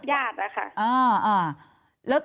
ญาติค่ะ